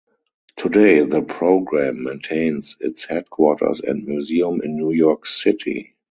Today the program maintains its headquarters and museum in New York City.